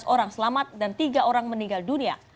tiga belas orang selamat dan tiga orang meninggal dunia